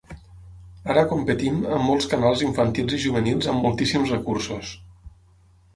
Ara competim amb molts canals infantils i juvenils amb moltíssims recursos.